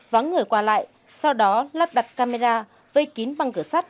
vắng người qua lại sau đó lắp đặt camera vây kín bằng cửa sắt